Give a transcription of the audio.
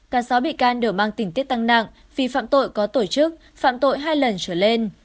cả sáu bị can đều mang tỉnh tiết tăng nặng vì phạm tội có tổ chức phạm tội hai lần trở lên